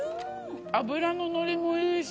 脂の乗りもいいし。